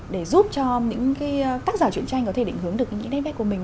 để giúp cho những cái tác giả truyền tranh có thể định hướng được những nét vét của mình